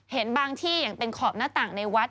เห็นบางที่อย่างเป็นขอบหน้าต่างในวัด